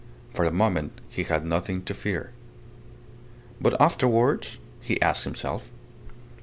For the moment he had nothing to fear. But afterwards? he asked himself.